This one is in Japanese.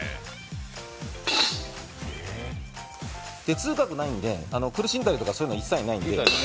痛覚がないので、苦しんだりとかそういうのは一切ないので。